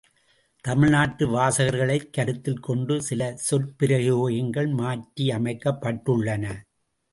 தமிழ் நாட்டு வாசகர்களைக் கருத்தில் கொண்டு சில சொற்பிரயோகங்கள் மாற்றியமைக்கப்பட்டுள்ளன.